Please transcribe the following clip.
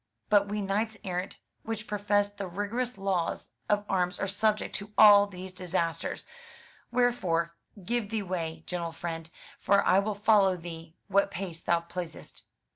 But we knights errant which profess the rigorous laws of arms are subject to all these disasters; wherefore, give the way, gentle friend; for I will follow thee what pace thou pleasest."